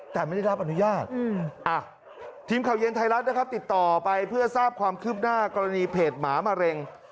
แต่ไม่ได้รับอนุญาตทีมข่าวเย็นไทยรัฐนะครับติดต่อไปเพื่อทราบความคืบหน้ากรณีเพจหมามะเร็ง